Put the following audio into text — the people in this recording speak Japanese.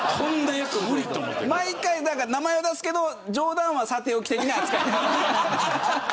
毎回、名前を言うんですけど冗談はさておき的な扱い。